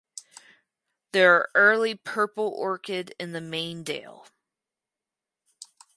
There are early purple orchid in the main dale.